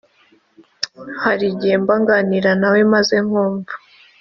Hari igihe mba nganira na we maze nkumva